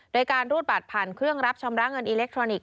โดยการรูดบัตรผ่านเครื่องรับชำระเงินอิเล็กทรอนิกส